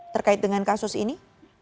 terkait dengan kasus ini